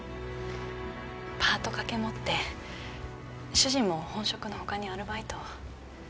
パート掛け持って主人も本職の他にアルバイトを。